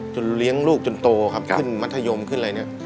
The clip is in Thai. เลี้ยงลูกจนโตครับขึ้นมัธยมขึ้นอะไรเนี่ย